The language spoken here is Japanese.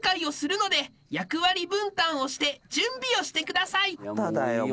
まただよ